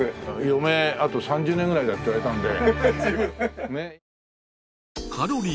余命あと３０年ぐらいだって言われたんで。